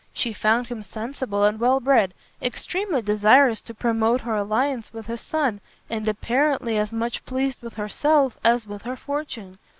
She found him sensible and well bred, extremely desirous to promote her alliance with his son, and apparently as much pleased with herself as with her fortune.